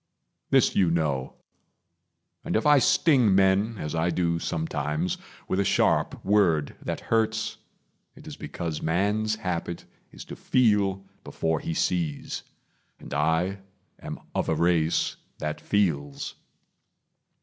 This you know; And if I sting men, as I do sometimes, With a sharp word that hurts, it is because Man's habit is to feel before he sees; And I am of a race that feels.